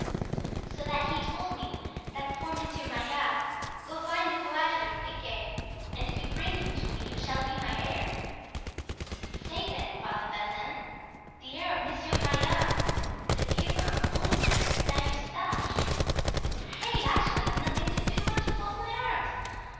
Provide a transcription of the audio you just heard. "So that he told me, that poor Monsieur Maillard, 'Go find the coadjutor, Friquet, and if you bring him to me you shall be my heir.' Say, then, Father Bazin—the heir of Monsieur Maillard, the giver of holy water at Saint Eustache! Hey! I shall have nothing to do but to fold my arms!